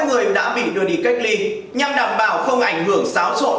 sáu người đã bị đưa đi cách ly nhằm đảm bảo không ảnh hưởng xáo trộn